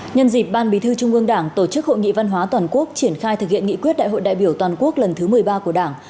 nhân dịp ban bí thư trung ương đảng tổ chức hội nghị văn hóa toàn quốc triển khai thực hiện nghị quyết đại hội đại biểu toàn quốc lần thứ một mươi ba của đảng